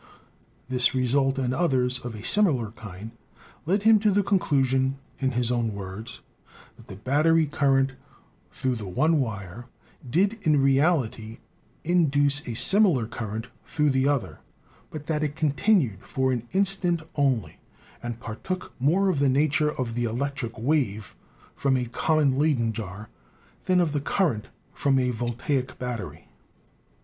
This result and others of a similar kind led him to the conclusion, in his own words, "that the battery current through the one wire did in reality induce a similar cur rent through the other; but that it continued for an in stant only, and partook more of the nature of the electric wave from a common Ley den jar than of the current from a voltaic battery."